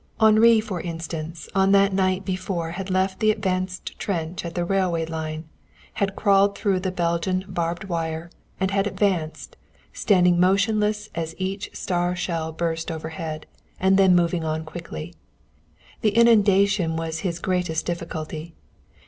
Henri, for instance, on that night before had left the advanced trench at the railway line, had crawled through the Belgian barbed wire, and had advanced, standing motionless as each star shell burst overhead, and then moving on quickly. The inundation was his greatest difficulty.